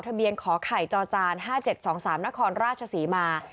ทะเบียนขอไข่จอจาน๕๗๒๓นครราชศรีมา